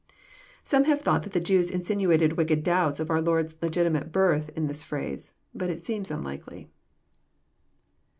Some have thought that the Jews insinuated wicked doubts of our Lord's legitimate birth in this phrase. But it seems unlikely.